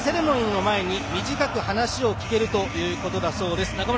セレモニーの前に短く話を聞けるということです。